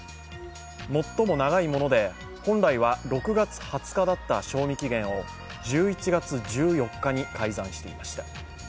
最も長いもので本来は６月２０日だった賞味期限を１１月１４日に改ざんしていました。